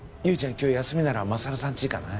今日休みなら勝さんち行かない？